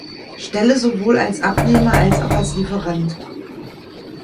Stelle sowohl als Abnehmer als auch als Lieferant.